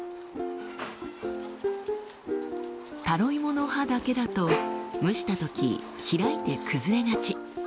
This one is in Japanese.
タロイモの葉だけだと蒸したとき開いて崩れがち。